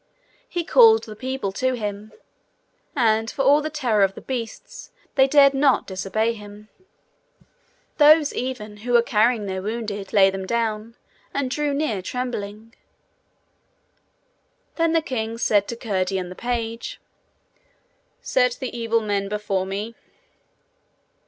He called the people to him, and, for all the terror of the beasts, they dared not disobey him. Those, even, who were carrying their wounded laid them down, and drew near trembling. Then the king said to Curdie and the page: 'Set the evil men before me.'